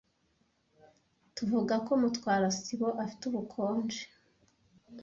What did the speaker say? Tuvuga ko Mutwara sibo afite ubukonje.